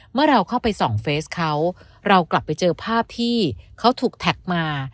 เมื่อเราเข้าไปส่องเฟสเขาเรากลับไปเจอภาพที่เขาถูกแท็กมา